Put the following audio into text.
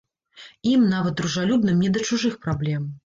Ім, нават дружалюбным, не да чужых праблем.